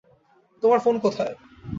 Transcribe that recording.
তোমার ফোন কোথায়?